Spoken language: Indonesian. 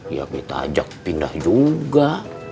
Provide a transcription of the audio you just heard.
ya kita ajak pindah juga